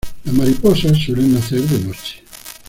Las mariposas suelen nacer de noche.